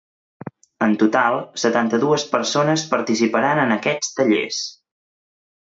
En total, setanta-dues persones participaran en aquests tallers.